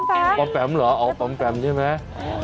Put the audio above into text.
อ๋ออ๋อนเหรอยายกซ์พำแบ๋มหรอพำแบ๋มใช่ไหม